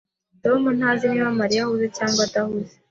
Tom ntazi niba Mariya ahuze cyangwa adahuze.